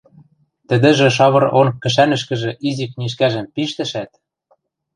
Тӹдӹжӹ шавыр онг кӹшӓнӹшкӹжӹ изи книжкӓжӹм пиштӹшӓт: